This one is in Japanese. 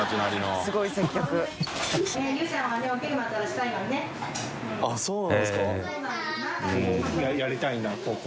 すごいな。